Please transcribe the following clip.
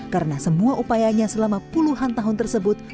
karena semua upayanya selama puluhan tahun tersebut